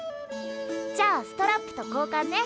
じゃあストラップとこうかんね。